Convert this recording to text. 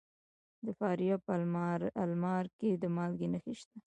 د فاریاب په المار کې د مالګې نښې شته.